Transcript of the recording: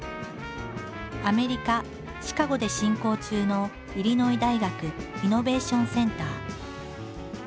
アメリカ・シカゴで進行中のイリノイ大学イノベーションセンター。